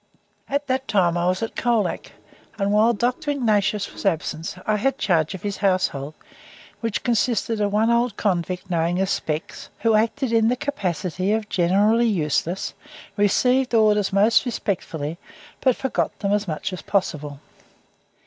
At that time I was at Colac, and while Dr. Ignatius was absent, I had the charge of his household, which consisted of one old convict known as "Specs," who acted in the capacity of generally useless, received orders most respectfully, but forgot them as much as possible.